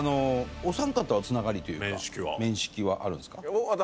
お三方は繋がりというか面識はあるんですか？